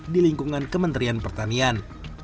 di lingkungan kementerian pertanian